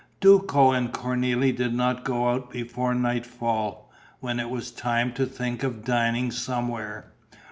Duco and Cornélie did not go out before nightfall, when it was time to think of dining somewhere.